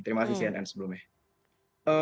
terima kasih cnn sebelumnya